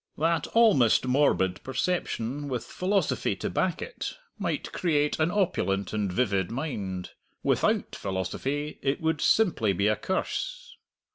That almost morbid perception, with philosophy to back it, might create an opulent and vivid mind. Without philosophy it would simply be a curse.